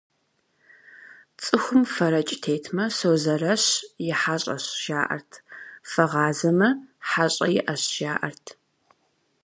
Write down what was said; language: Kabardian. Цӏыхум фэрэкӏ тетмэ, «Созэрэщ и хьэщӏэщ» жаӏэрт, фэгъазэмэ, «хьэщӏэ иӏэщ» - жаӏэрт.